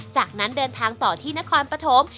จากนั้นเดินทางต่อที่นครปฐม